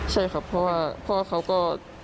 ใช่ครับเพราะว่าพ่อเขาก็